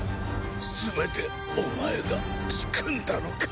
全てお前が仕組んだのか？